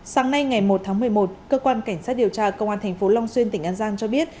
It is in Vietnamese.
sáng nay ngày một tháng một mươi một cơ quan cảnh sát điều tra công an thành phố long xuyên tỉnh an giang cho biết